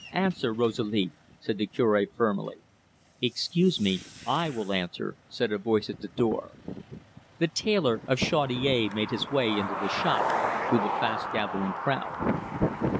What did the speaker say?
"Answer, Rosalie," said the Cure firmly. "Excuse me; I will answer," said a voice at the door. The tailor of Chaudiere made his way into the shop, through the fast gathering crowd.